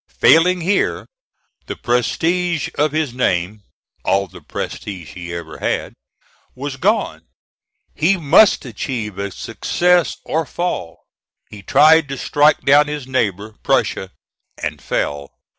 Failing here, the prestige of his name all the prestige he ever had was gone. He must achieve a success or fall. He tried to strike down his neighbor, Prussia and fell.